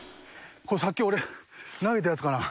これさっき俺投げたやつかな。